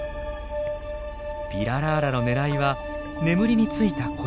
ピララーラの狙いは眠りについた小魚。